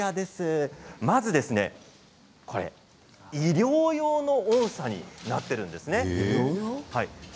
まず、医療用の音さになっているんですね。